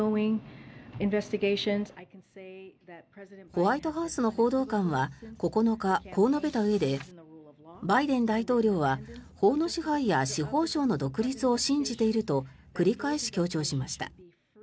ホワイトハウスの報道官は９日こう述べたうえでバイデン大統領は法の支配や司法省の独立を信じていると繰り返し強調しました。